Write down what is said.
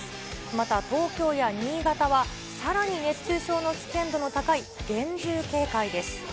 また東京や新潟は、さらに熱中症の危険度の高い厳重警戒です。